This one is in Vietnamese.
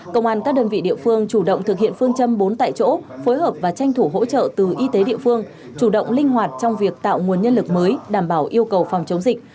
công an các đơn vị địa phương chủ động thực hiện phương châm bốn tại chỗ phối hợp và tranh thủ hỗ trợ từ y tế địa phương chủ động linh hoạt trong việc tạo nguồn nhân lực mới đảm bảo yêu cầu phòng chống dịch